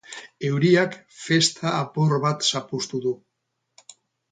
Euriak festa apur bat zapuztu du.